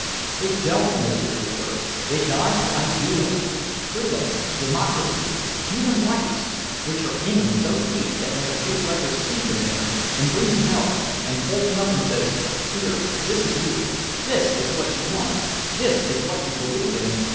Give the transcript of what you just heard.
They don't, Mister Reporter, they die for ideals freedom, democracy, human rights which are in 'em so deep that when a big writer sees 'em there and brings 'em out and holds 'em up and says, 'Here! This is you, this is what you want, this is what you believe in!'